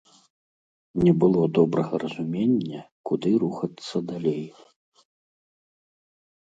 Не было добрага разумення, куды рухацца далей.